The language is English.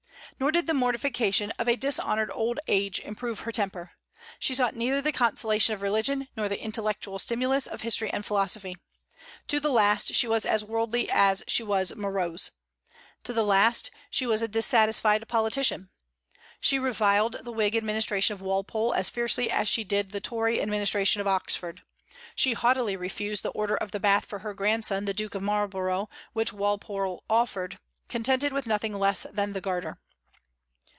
Nor did the mortification of a dishonored old age improve her temper. She sought neither the consolation of religion nor the intellectual stimulus of history and philosophy. To the last she was as worldly as she was morose. To the last she was a dissatisfied politician. She reviled the Whig administration of Walpole as fiercely as she did the Tory administration of Oxford. She haughtily refused the Order of the Bath for her grandson the Duke of Marlborough, which Walpole offered, contented with nothing less than the Garter.